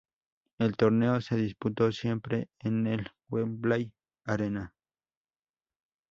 El torneo se disputó siempre en el Wembley Arena.